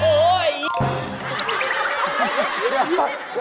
เดี๋ยวนะ